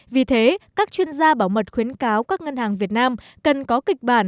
vì thế các chuyên gia bảo mật khuyến cáo các ngân hàng việt nam cần có kịch bản